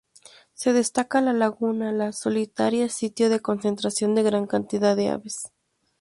Se destaca la laguna La Solitaria, sitio de concentración de gran cantidad de aves.